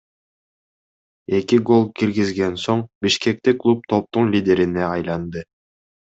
Эки гол киргизген соң бишкектик клуб топтун лидерине айланды.